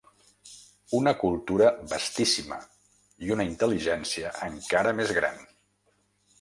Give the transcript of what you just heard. Una cultura vastíssima i una intel·ligència encara més gran.